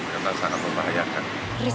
karena sangat memahayakan